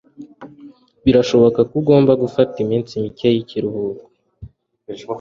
Birashoboka ko ugomba gufata iminsi mike y'ikiruhuko.